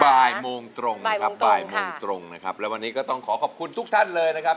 บ่ายโมงตรงนะครับบ่ายโมงตรงนะครับแล้ววันนี้ก็ต้องขอขอบคุณทุกท่านเลยนะครับ